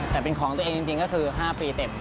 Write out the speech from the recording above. แต่เป็นของตัวเองจริงก็คือ๕ปีเต็ม